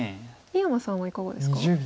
井山さんはいかがですか？